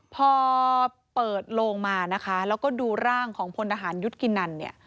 พอเปิดโลงมานะคะแล้วก็ดูร่างของพลทหารยุทธกินันเนี่ย